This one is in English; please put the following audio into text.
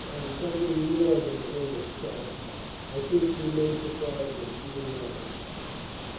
"I am something more than Colonel Strozzi. I think we may surprise him, you and I."